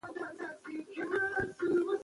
نمک د افغانستان طبعي ثروت دی.